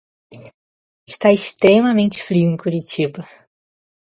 Está extremamente frio em Curitiba